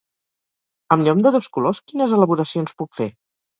Amb llom de dos colors quines elaboracions puc fer?